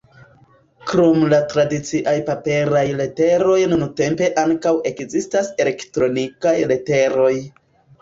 Krom la tradiciaj paperaj leteroj nuntempe ankaŭ ekzistas elektronikaj leteroj.